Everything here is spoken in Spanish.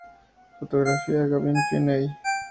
Fotografía: Gavin Finney.